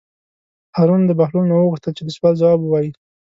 هارون د بهلول نه وغوښتل چې د سوال ځواب ووایي.